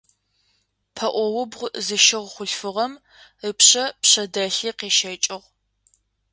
Пэӏо убгъу зыщыгъ хъулъфыгъэм ыпшъэ пшъэдэлъи къещэкӏыгъ.